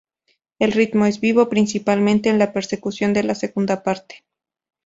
El ritmo es vivo, principalmente en la persecución de la segunda parte.